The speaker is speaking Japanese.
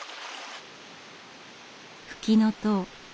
フキノトウ